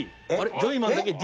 ジョイマンだけ「Ｄ」